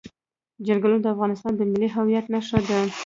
چنګلونه د افغانستان د ملي هویت نښه ده.